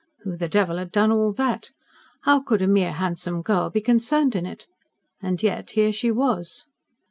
Who the devil had done all that? How could a mere handsome girl be concerned in it? And yet here she was.